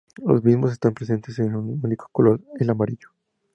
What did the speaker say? Los mismos están presentes en un único color, el amarillo.